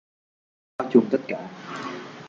Bóng tối thì cũng đã bao trùm tất cả